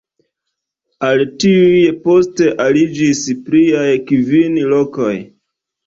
Al tiuj poste aliĝis pliaj kvin lokoj.